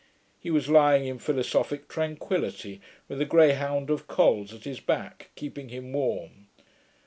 He was lying in philosophick tranquillity with a greyhound of Col's at his back, keeping him warm.